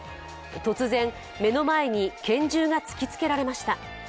突然、目の前に拳銃が突きつけられました。